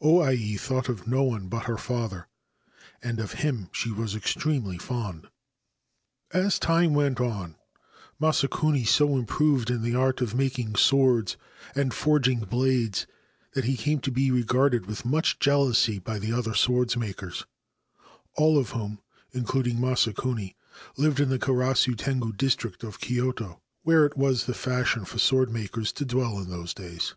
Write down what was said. O Ai thought of no e but her father, and of him she was extremely fond. As time went on Masakuni so improved in the art of iking swords and forging blades that he came to be yarded with much jealousy by the other swordmakers, of whom, including Masakuni, lived in the Karasu sngu district of Kyoto, where it was the fashion for pordmakers to dwell in those days.